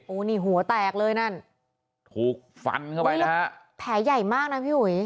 โอ้โหนี่หัวแตกเลยนั่นถูกฟันเข้าไปแล้วฮะแผลใหญ่มากนะพี่หุย